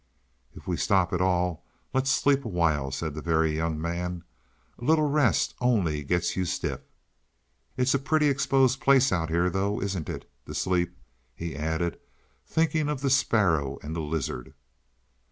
"If we stop at all, let's sleep a while," said the Very Young Man. "A little rest only gets you stiff. It's a pretty exposed place out here though, isn't it, to sleep?" he added, thinking of the sparrow and the lizard.